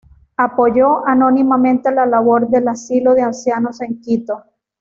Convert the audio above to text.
Apoyó anónimamente la labor del asilo de ancianos en Quito.